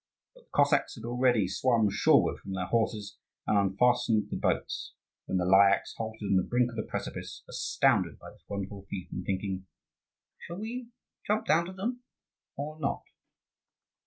But the Cossacks had already swum shoreward from their horses, and unfastened the boats, when the Lyakhs halted on the brink of the precipice, astounded by this wonderful feat, and thinking, "Shall we jump down to them, or not?"